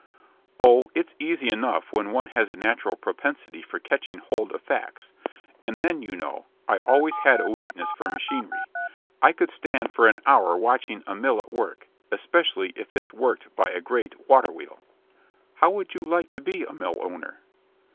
"Oh! it's easy enough, when one has a natural propensity for catching hold of facts; and then, you know, I always had a weakness for machinery; I could stand for an hour watching a mill at work, especially if it's worked by a great water wheel." "Would you like to be a mill owner?"